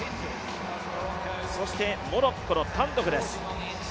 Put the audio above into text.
そしてモロッコのタンドフです。